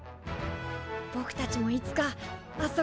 ぼくたちもいつかあそこに。